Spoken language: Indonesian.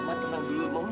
ma tenang dulu mami